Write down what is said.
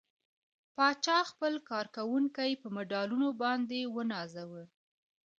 پاچا خپل کارکوونکي په مډالونو باندې ونازوه.